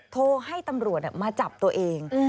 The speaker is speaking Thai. โทรให้ตำรวจมาจับตัวเอง